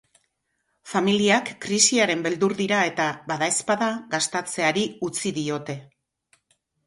Familiak krisiaren beldur dira eta, badaezpada, gastatzeari utzi diote.